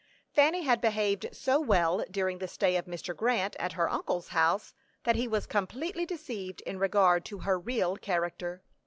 Fanny had behaved so well during the stay of Mr. Grant at her uncle's house, that he was completely deceived in regard to her real character.